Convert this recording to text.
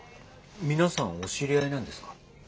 皆さんお知り合いなんですか？